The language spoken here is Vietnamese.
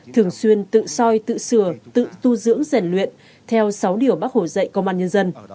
thường xuyên tự soi tự sửa tự tu dưỡng rèn luyện theo sáu điều bác hồ dạy công an nhân dân